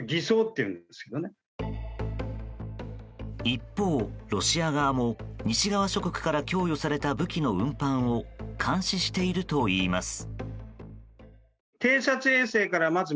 一方、ロシア側も西側諸国から供与された武器の運搬を監視しているといいます。